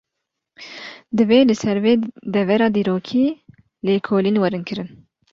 Divê li ser vê devera dîrokî, lêkolîn werin kirin